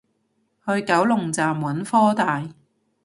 去九龍站揾科大